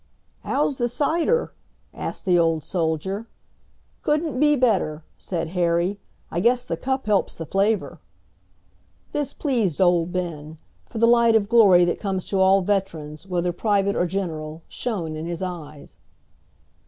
"How's the cider?" asked the old soldier. "Couldn't be better," said Harry. "I guess the cup helps the flavor." This pleased old Ben, for the light of glory that comes to all veterans, whether private or general, shone in his eyes.